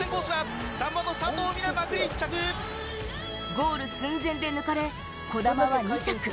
ゴール寸前で抜かれ、児玉は２着。